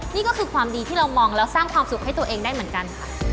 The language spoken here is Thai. นี่ก็คือความดีที่เรามองแล้วสร้างความสุขให้ตัวเองได้เหมือนกันค่ะ